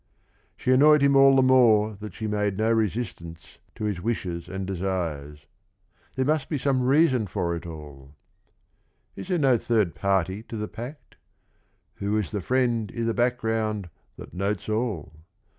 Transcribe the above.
She annoyed him all the more that she made no resistance to his wishes and desires. There must be some reason for it all : f'ls there no third party to the pact? ... Who is the friend i' the background that notes all?